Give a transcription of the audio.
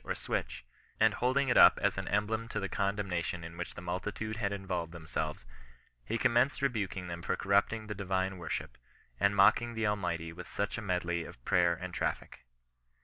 or switch, and holding it up as an emblem of the con demnation in which the multitude had involved them selves, he commenced rebuking them for corrupting the divine worship, and mocking the Almighty with such a medley of prayer and traffick.